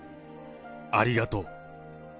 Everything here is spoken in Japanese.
ありがとう。